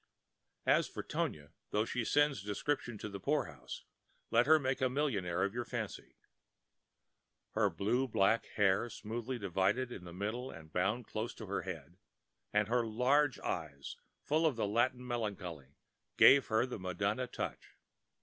As for Tonia, though she sends description to the poorhouse, let her make a millionaire of your fancy. Her blue black hair, smoothly divided in the middle and bound close to her head, and her large eyes full of the Latin melancholy, gave her the Madonna touch.